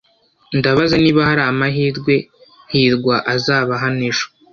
Ndabaza niba hari amahirwe hirwa azaba hano ejo.